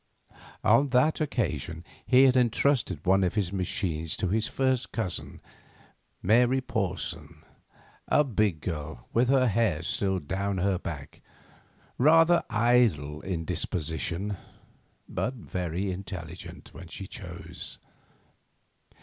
On that occasion he had entrusted one of his machines to his first cousin, Mary Porson, a big girl with her hair still down her back, rather idle in disposition, but very intelligent, when she chose.